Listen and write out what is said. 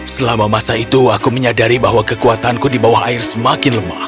selama masa itu aku menyadari bahwa kekuatanku di bawah air semakin lemah